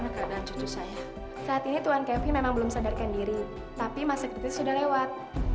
kondisi tuan kevin belum pulih benar